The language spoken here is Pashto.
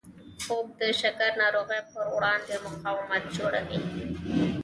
خوب د شکر ناروغۍ پر وړاندې مقاومت جوړوي